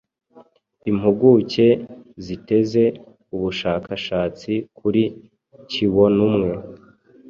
Impuguke ziteze ubushakashatsi kuri kibonumwe